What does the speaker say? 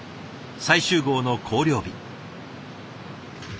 最終号の校了日。